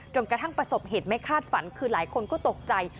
กระทั่งประสบเหตุไม่คาดฝันคือหลายคนก็ตกใจ